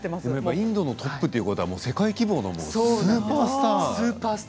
インドのトップということは世界のスーパースター